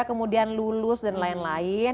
kemudian lulus dan lain lain